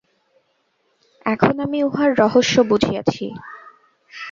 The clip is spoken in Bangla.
এখন আমি উহার রহস্য বুঝিয়াছি।